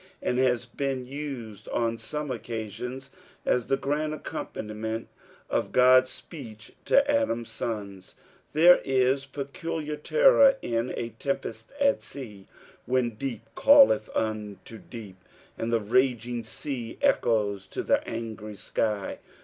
and has been used on some occasions as the grand accompaniment of God's speech to Adam's sons. There is peculiar terror in a tempest at sea, vhen deep calleth unto deep, and the rafpng sea echoes to the angry sky.